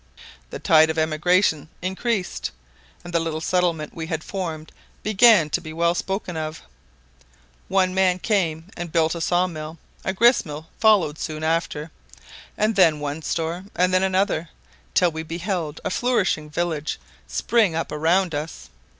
The tide of emigration increased, and the little settlement we had formed began to be well spoken of. One man came and built a saw mill; a grist mill followed soon after; and then one store and then another, till we beheld a flourishing village spring up around us.